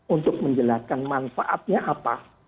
untuk menjelaskan manfaatnya apa